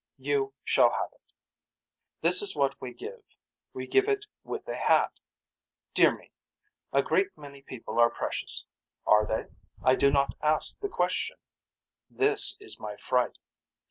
You shall have it. This is what we give. We give it with a hat. Dear me. A great many people are precious. Are they. I do not ask the question. This is my fright.